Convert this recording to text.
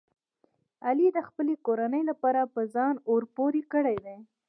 علي د خپلې کورنۍ لپاره په ځان اور پورې کړی دی.